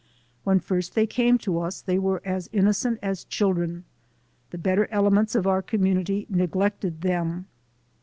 "When first they came to us they were as innocent as children; the better elements of our community neglected them.